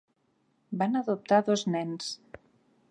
Van adoptar dos nens.